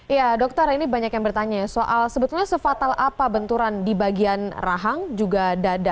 iya dokter ini banyak yang bertanya soal sebetulnya sefatal apa benturan di bagian rahang juga dada